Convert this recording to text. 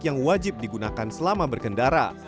yang wajib digunakan selama berkendara